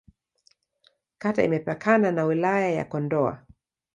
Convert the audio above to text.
Kata imepakana na Wilaya ya Kondoa.